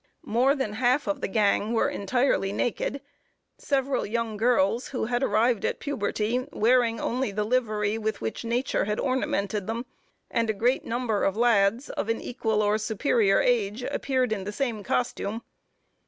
More than half of the gang were entirely naked. Several young girls, who had arrived at puberty, wearing only the livery with which nature had ornamented them, and a great number of lads, of an equal or superior age, appeared in the same costume.